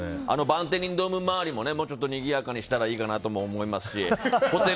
バンテリンドーム周りももうちょっとにぎやかにしたらいいかなとも思いますし。